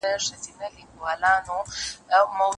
نن د اباسین د جاله وان حماسه ولیکه